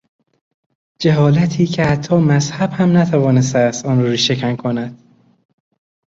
جهالتی که حتی مذهب هم نتوانسته است آن را ریشه کن کند